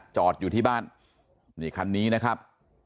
จอดอยู่ที่บ้านนี่คันนี้นะครับ